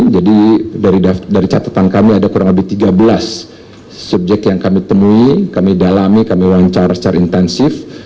dari catatan kami ada kurang lebih tiga belas subjek yang kami temui kami dalami kami wawancara secara intensif